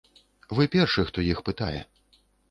Вы першы, хто іх пытае.